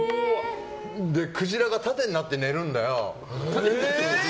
クジラが縦になって寝るんだよ。